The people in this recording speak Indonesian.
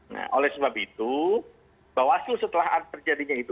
nah oleh sebab itu bawaslu setelah terjadinya itu